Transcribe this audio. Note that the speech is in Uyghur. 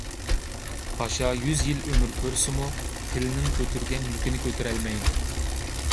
پاشا يۈز يىل ئۆمۈر كۆرسىمۇ، پىلنىڭ كۆتۈرگەن يۈكىنى كۆتۈرەلمەيدۇ.